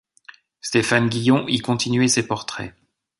Stéphane Guillon y continuait ses portraits.